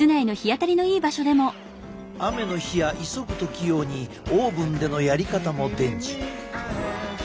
雨の日や急ぐ時用にオーブンでのやり方も伝授。